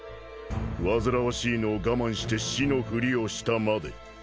煩わしいのを我慢して師のふりをしたまで。